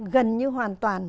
gần như hoàn toàn